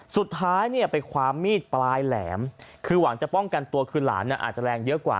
สุดท้ายเนี่ยไปความมีดปลายแหลมคือหวังจะป้องกันตัวคือหลานอาจจะแรงเยอะกว่า